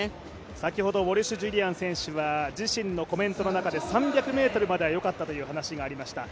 先ほどウォルシュ・ジュリアン選手は自身のコメントの中で３００ｍまではよかったという話がありました。